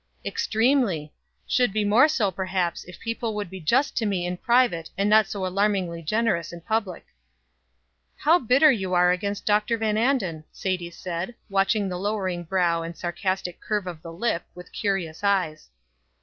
"Extremely! Should be more so perhaps if people would be just to me in private, and not so alarmingly generous in public." "How bitter you are against Dr. Van Anden," Sadie said, watching the lowering brow and sarcastic curve of the lip, with curious eyes.